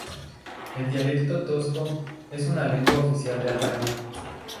El dialecto tosco es la lengua oficial de Albania.